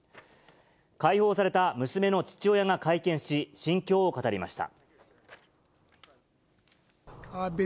解放された娘の父親が会見し、心境を語りました。